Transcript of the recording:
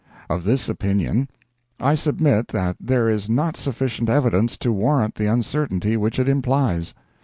of this opinion I submit that there is not sufficient evidence to warrant the uncertainty which it implies.